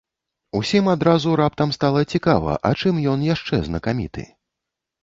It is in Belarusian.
Усім адразу раптам стала цікава, а чым ён яшчэ знакаміты?